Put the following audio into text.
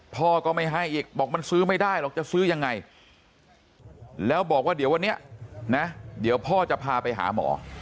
พ่อก็ไม่ให้อีกบอกมันซื้อไม่ได้หรอกจะซื้อยังไงแล้วบอกว่าเดี๋ยววันนี้นะเดี๋ยวพ่อจะพาไปหาหมอ